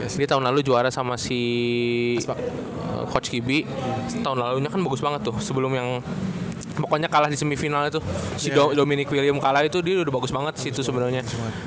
jadi tahun lalu juara sama si coach kibi tahun lalunya kan bagus banget tuh sebelum yang pokoknya kalah di semi final itu si dominic william kalah itu dia udah bagus banget sih itu sebenernya